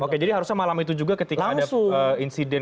oke jadi harusnya malam itu juga ketika ada insiden